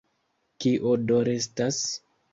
Kio do restas?